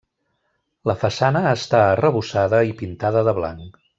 La façana està arrebossada i pintada de blanc.